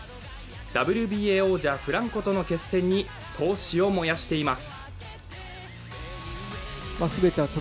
ＷＢＡ王者フランコとの決戦に闘志を燃やしています。